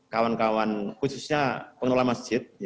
kawan kawan khususnya pengelola masjid